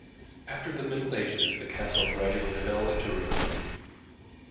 After the Middle Ages, the castle gradually fell into ruin.